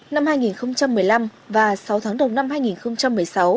năm hai nghìn một mươi năm và sáu tháng đầu năm hai nghìn một mươi sáu